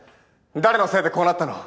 誰のせいでこうなったの？